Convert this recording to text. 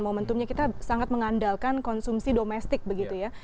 momentumnya kita sangat mengandalkan konsumsi domestik begitu ya